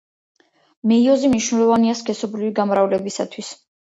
მეიოზი მნიშვნელოვანია სქესობრივი გამრავლებისათვის.